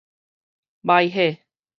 䆀火